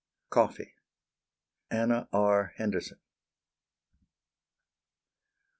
COFFEE. ANNA R. HENDERSON.